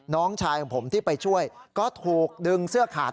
น้องชายของผมที่ไปช่วยก็ถูกดึงเสื้อขาด